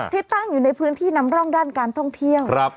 ที่ตั้งอยู่ในพื้นที่นำร่องด้านการท่องเที่ยว